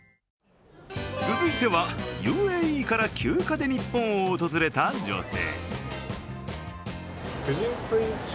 続いては、ＵＡＥから休暇で日本を訪れた女性。